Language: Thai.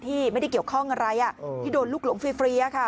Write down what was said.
ไม่ได้เกี่ยวข้องอะไรที่โดนลูกหลงฟรีค่ะ